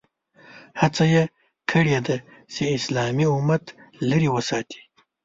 هڅه یې کړې ده چې اسلامي امت لرې وساتي.